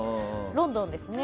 ロンドンですね。